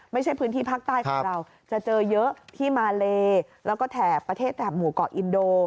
ไม่ใช่พื้นที่ภาคใต้ของเราจะเจอเยอะที่มาเลแล้วก็แถบประเทศแถบหมู่เกาะอินโด